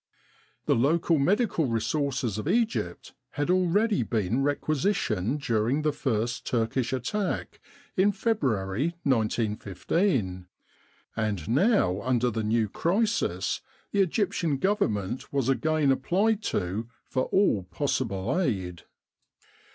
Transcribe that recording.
The local medical resources of Egypt had already been requisitioned during the first Turkish attack in February, 1915, and now under the new crisis the Egyptian Govern ment was again applied to for all possible aid.